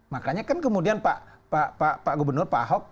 makanya kan kemudian pak gubernur pak ahok